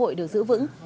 hội được giữ vững